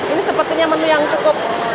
ini sepertinya menu yang cukup